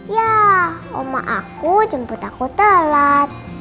ya oma aku jemput aku telat